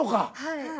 はい。